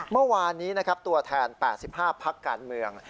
เมื่อวานนี้นะครับตัวแทน๘๕พักการเมือง